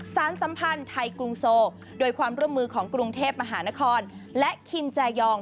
สัมพันธ์ไทยกรุงโซโดยความร่วมมือของกรุงเทพมหานครและคิมแจยอง